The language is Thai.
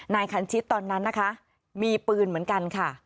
นายคันชิดตอนนั้นนะคะมีปืนเหมือนกันค่ะ